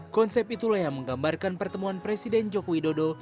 konsep itulah yang menggambarkan pertemuan presiden jokowi dodo